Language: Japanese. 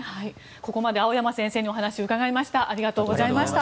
ここまで青山先生にお話を伺いました。